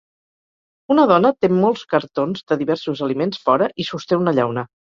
Una dona té molts cartons de diversos aliments fora i sosté una llauna.